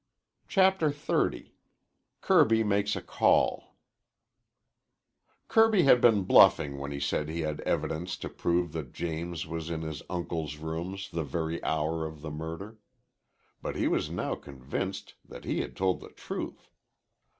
CHAPTER XXX KIRBY MAKES A CALL Kirby had been bluffing when he said he had evidence to prove that James was in his uncle's rooms the very hour of the murder. But he was now convinced that he had told the truth.